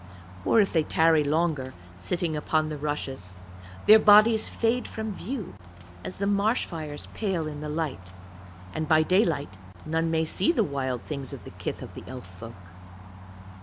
Or if they tarry longer, sitting upon the rushes, their bodies fade from view as the marsh fires pale in the light, and by daylight none may see the Wild Things of the kith of the Elf folk.